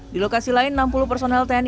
di lokasi lain enam puluh personel tni